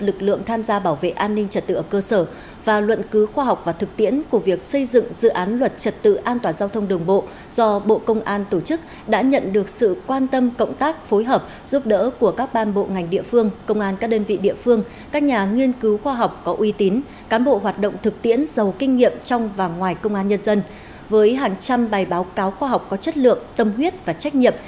lực lượng tham gia bảo đảm an ninh trật tự ở cơ sở quy định rõ chức năng nhiệm vụ